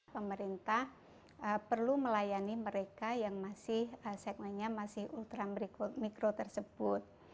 pemerintah perlu melayani mereka yang masih segmennya masih ultra mikro tersebut